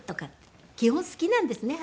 基本好きなんですね